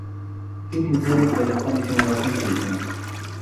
It is headed by the Commissioner of Intelligence.